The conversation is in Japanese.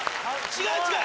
違う違う。